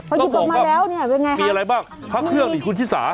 อ้าวก็บอกว่ามีอะไรบ้างพระเครื่องหรือคุณธิษฎา